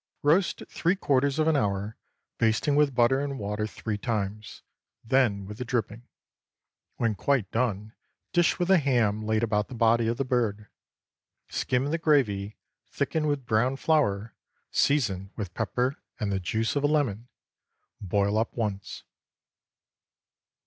Roast three quarters of an hour, basting with butter and water three times, then with the dripping. When quite done, dish with the ham laid about the body of the bird. Skim the gravy, thicken with browned flour, season with pepper and the juice of a lemon. Boil up once.